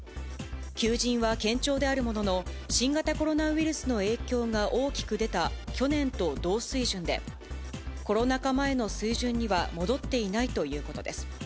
求人は堅調であるものの、新型コロナウイルスの影響が大きく出た去年と同水準で、コロナ禍前の水準には戻っていないということです。